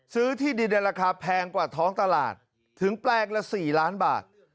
ซื้อที่ดินในราคาแพงกว่าท้องตลาดถึงแปลงละ๔ล้านบาท